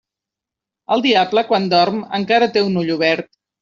El diable quan dorm encara té un ull obert.